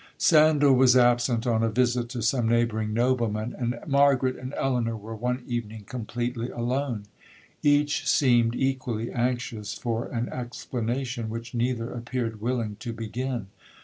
'Sandal was absent on a visit to some neighbouring nobleman, and Margaret and Elinor were one evening completely alone. Each seemed equally anxious for an explanation, which neither appeared willing to begin.